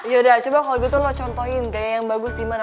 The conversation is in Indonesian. yaudah coba kalau gue tuh lo contohin gaya yang bagus di mana